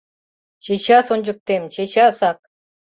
— Чечас ончыктем, чечасак...